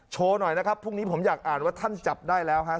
โชว์หน่อยนะครับพรุ่งนี้ผมอยากอ่านว่าท่านจับได้แล้วฮะ